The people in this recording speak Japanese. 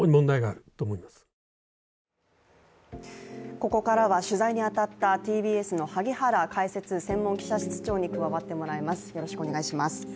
ここからは取材に当たったＴＢＳ萩原解説・専門記者室長に解説に加わってもらいます。